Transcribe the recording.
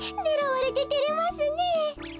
ねらわれててれますねえ。